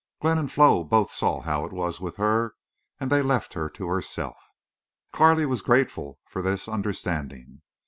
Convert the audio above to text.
Glenn and Flo both saw how it was with her, and they left her to herself. Carley was grateful for this understanding.